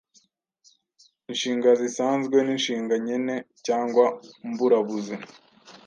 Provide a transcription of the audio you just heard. Inshinga zisanzwe n’inshinga nkene cyangwa mburabuzi,